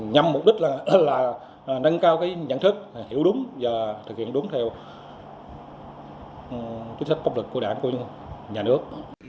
nhằm mục đích là nâng cao nhận thức hiểu đúng và thực hiện đúng theo chính sách tốc lực của đảng của nhà nước